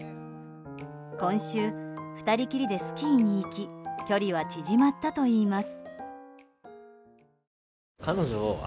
今週、２人きりでスキーに行き距離は縮まったといいます。